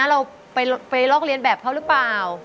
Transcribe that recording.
เราไปลอกเรียนแบบเขาหรือเปล่า